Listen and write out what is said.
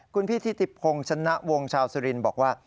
คุณพี่ทิติพงศ์ชนะวงชาวสุรินทร์บอกว่า